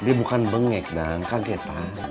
dia bukan bengek dan kagetan